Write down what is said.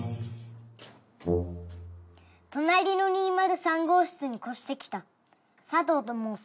隣の２０３号室に越してきたさとうと申す。